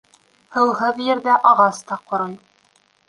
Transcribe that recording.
Һыуһыҙ ерҙә ағас та ҡорой.